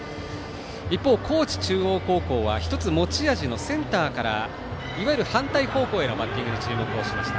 一方、高知中央高校は１つ持ち味のセンターから反対方向へのバッティングに注目しました。